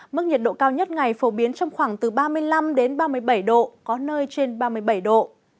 mức nhiệt độ cao nhất ngày phổ biến trong khoảng từ ba mươi năm đến ba mươi bảy độ có nơi trên ba mươi bảy độ